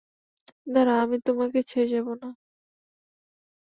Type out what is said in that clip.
দাঁড়াও, আমি তোমাকে ছেড়ে যাব না।